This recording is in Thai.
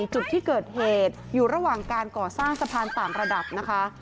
จุดที่เกิดเหตุอยู่ระหว่างการก่อสร้างสะพานต่างระดับนะคะ